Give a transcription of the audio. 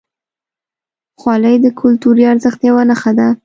خولۍ د کلتوري ارزښت یوه نښه ده.